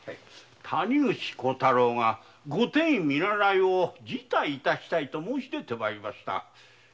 谷口孝太郎がご典医見習いを辞退したいと申し出て参りました。